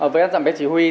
với ăn dặm tự chỉ huy